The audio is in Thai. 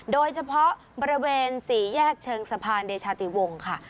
โดยเฉพาะบริเวณสี่แยกเชิงสะพานเดชาติวงค่ะ